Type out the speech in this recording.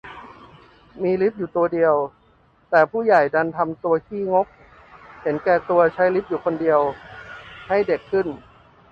มีลิฟต์อยู่ตัวเดียว แต่ผู้ใหญ่ดันทำตัวขี้งกเห็นแก่ตัวใช้ลิฟต์อยู่คนเดียว ให้เด็กขึ้น